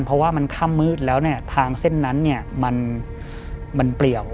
เพราะว่ามันข้ามมืดแล้วทางเส้นนั้นมันเปรียว